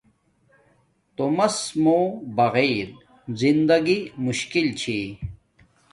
تومس موں بغیر زندگی مشکل چھی